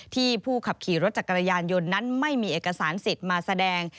ผู้ขับขี่รถจักรยานยนต์นั้นไม่มีเอกสารสิทธิ์มาแสดง